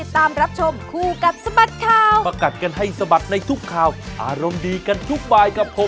ถูกใจแน่นอนค่ะ